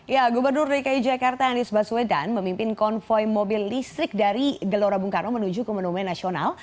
ya gubernur dki jakarta anies baswedan memimpin konvoi mobil listrik dari gelora bungkarno menuju ke menomai nasional